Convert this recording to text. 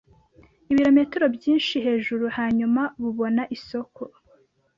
ibirometero byinshi hejuru hanyuma bubona isoko